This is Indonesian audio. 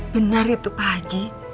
benar itu pak haji